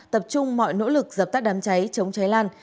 tập trung mọi nỗ lực dập tắt đám cháy chống cháy lan